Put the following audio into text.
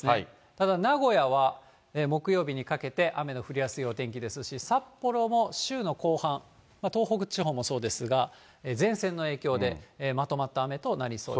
ただ名古屋は、木曜日にかけて、雨の降りやすいお天気ですし、札幌も週の後半、東北地方もそうですが、前線の影響で、まとまった雨となりそうです。